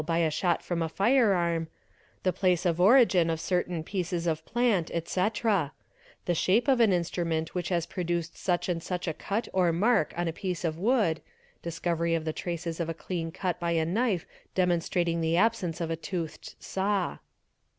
by a shot from a firearm), the place of origin of certain pieces of plant, etc; the shape of an instrument which has produced such and such a cut or mark on a piece of wood "discovery of the traces of a clean cut by a knife demonstrating the absence of a toothed saw).